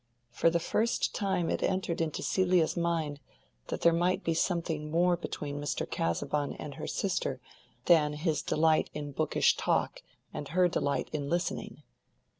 For the first time it entered into Celia's mind that there might be something more between Mr. Casaubon and her sister than his delight in bookish talk and her delight in listening.